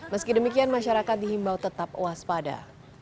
meski demikian masyarakat dihimbau tetap waspada